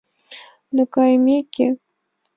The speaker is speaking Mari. Но кайымеке, мӧҥгеш толаш корно петырналтеш.